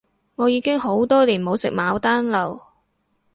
我已經好多年冇食牡丹樓